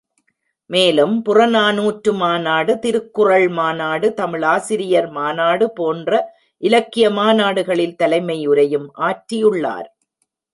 மேலும் புறநானூற்று மாநாடு, திருக்குறள் மாநாடு தமிழாசிரியர் மாநாடு போன்ற இலக்கிய மாநாடுகளில் தலைமை உரையும் ஆற்றியுள்ளார்.